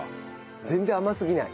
全然甘すぎない。